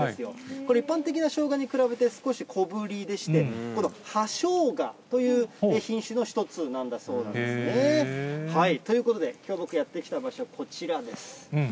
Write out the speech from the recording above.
これ、一般的なショウガに比べて少し小ぶりでして、葉ショウガという品種の一つなんだそうですね。ということで、きょう僕やって来た場所、こちらです。